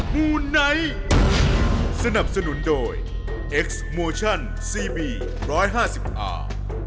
มูไนท์สนับสนุนโดยเอ็กซ์โมชั่นซีบีร้อยห้าสิบอ่า